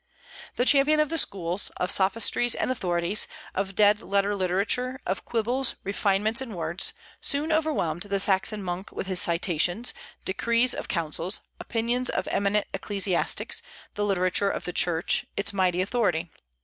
The champion of the schools, of sophistries and authorities, of dead letter literature, of quibbles, refinements, and words, soon overwhelmed the Saxon monk with his citations, decrees of councils, opinions of eminent ecclesiastics, the literature of the Church, its mighty authority.